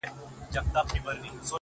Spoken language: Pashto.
o ځوان په لوړ ږغ،